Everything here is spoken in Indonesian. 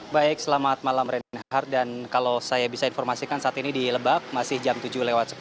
baik selamat malam renhard dan kalau saya bisa informasikan saat ini di lebak masih jam tujuh lewat sepuluh